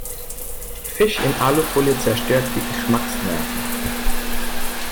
Fisch in Alufolie zerstört die Geschmacksnerven.